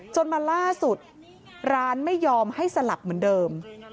จนมาล่าสุดร้านไม่ยอมให้สลับเหมือนเดิม